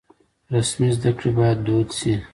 رسمي زده کړې بايد دود شي.